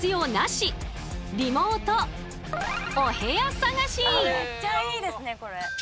更にねめっちゃいいですねこれ。